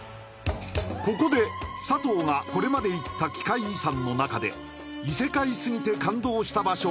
ここで佐藤がこれまで行った奇界遺産の中で異世界すぎて感動した場所